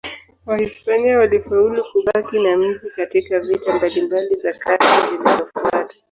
Wahispania walifaulu kubaki na mji katika vita mbalimbali za karne zilizofuata.